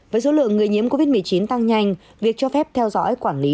với số lượng người nhiễm covid một mươi chín tăng nhanh việc cho phép theo dõi quản lý